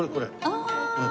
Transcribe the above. ああ。